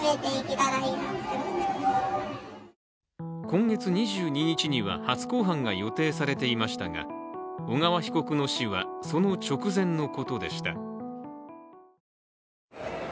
今月２２日には初公判が予定されていましたが小川被告の死は、その直前のことでした。